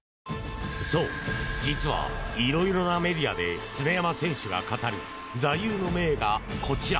そう、実は色々なメディアで常山選手が語る座右の銘がこちら。